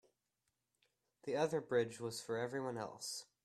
The other bridge was for everyone else.